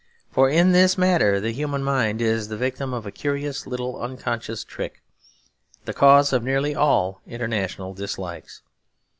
For in this matter the human mind is the victim of a curious little unconscious trick, the cause of nearly all international dislikes.